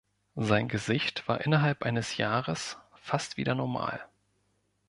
Sein Gesicht war innerhalb eines Jahres fast wieder normal.